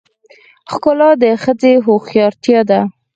ښکلا د ښځې هوښیارتیا ده .